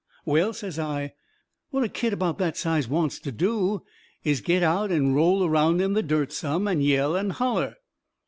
"Well," says I, "what a kid about that size wants to do is to get out and roll around in the dirt some, and yell and holler."